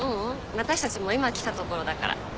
私たちも今来たところだから。